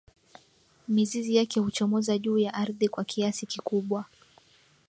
Mizizi yake huchomoza juu ya ardhi kwa kiasi kikubwa